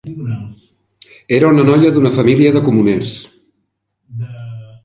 Era una noia d"una família de comuners.